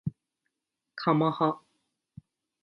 かまは